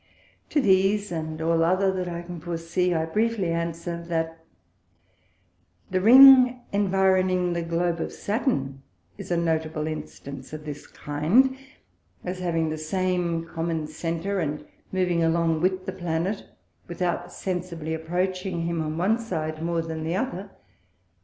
To these, and all other that I can foresee, I briefly Answer, That the Ring environing the Globe of Saturn is a notable Instance of this kind, as having the same common Center, and moving along with the Planet, without sensibly approaching him on one side more than the other.